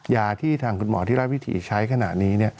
ยาที่ทางคุณหมอที่รัฐวิถีใช้ขณะนี้